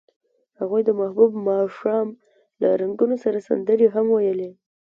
هغوی د محبوب ماښام له رنګونو سره سندرې هم ویلې.